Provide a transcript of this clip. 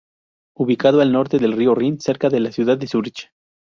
Ubicado al norte del río Rin cerca de la ciudad de Zúrich.